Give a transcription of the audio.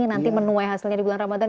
nanti menuai hasilnya di bulan ramadan